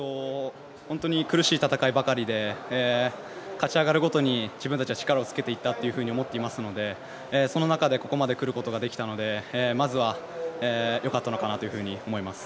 本当に苦しい戦いばかりで勝ち上がるごとに自分たちは力をつけていったと思っていますのでその中で、ここまで来ることができたのでまずはよかったのかなというふうに思います。